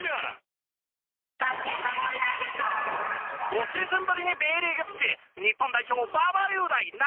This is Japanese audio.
５シーズンぶりにＢリーグ復帰。